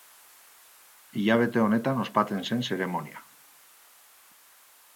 Hilabete honetan ospatzen zen zeremonia.